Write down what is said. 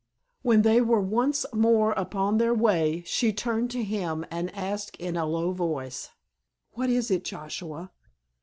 When they were once more upon their way she turned to him and asked in a low voice, "What is it, Joshua?"